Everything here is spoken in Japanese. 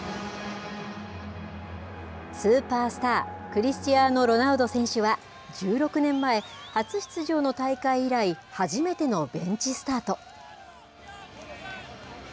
スーパースター、クリスチアーノ・ロナウド選手は、１６年前、初出場の大会以来、初めてのベンチスタート。